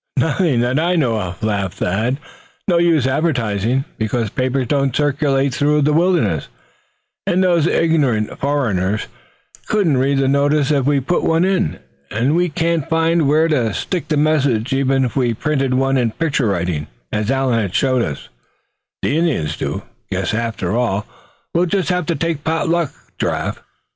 "Nothing that I know of," laughed Thad, "No use advertising, because papers don't circulate through the wilderness; and those ignorant foreigners couldn't read the notice if we put one in. And we can't find where to stick the message even if we printed one in picture writing, as Allan had shown us the Indians do. Guess after all we'll just have to take pot luck, Giraffe."